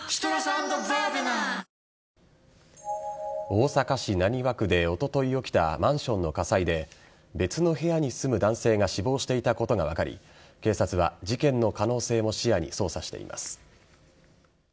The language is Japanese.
大阪市浪速区でおととい起きたマンションの火災で、別の部屋に住む男性が死亡していたことが分かり、警察は事件の可能性も視野に捜査しています。